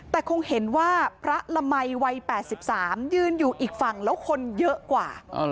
แต่คงเห็นว่าพระละมัยวัย๘๓ยืนอยู่อีกฝั่งแล้วคนเยอะกว่า